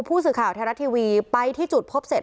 ผู้สื่อข่าวไทยรัฐทีวีไปที่จุดพบเสร็จ